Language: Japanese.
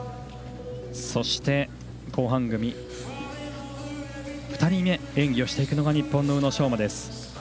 そして、後半組２人目に演技をしていくのが日本の宇野昌磨です。